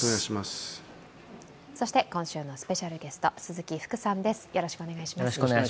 そして今週のスペシャルゲスト鈴木福さんです。